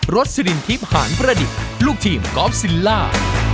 รสลินทิพย์หารประดิษฐ์ลูกทีมกอล์ฟซิลล่า